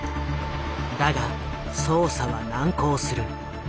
だが捜査は難航する。